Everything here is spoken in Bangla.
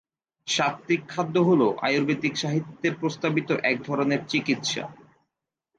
সাত্ত্বিক খাদ্য হল আয়ুর্বেদিক সাহিত্যে প্রস্তাবিত এক ধরনের চিকিৎসা।